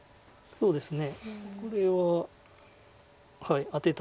そうですね。